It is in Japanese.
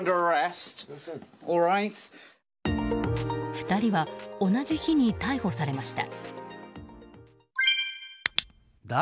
２人は同じ日に逮捕されました。